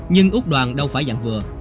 nhưng úc đoàn đâu phải dạng vừa